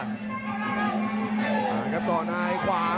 นะครับกล่อน้ายควรงาน